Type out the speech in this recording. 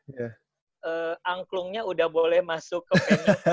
kak angklungnya udah boleh masuk ke wa